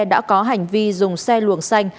đã có hành vi dùng xe luồng xanh